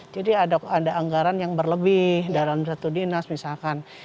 jadi ada anggaran yang berlebih dalam satu dinas misalkan